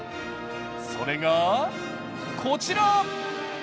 それがこちら。